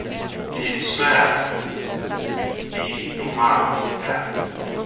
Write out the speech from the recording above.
Det er en svær n, du der har